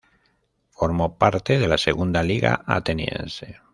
Formó parte de la Segunda Liga ateniense.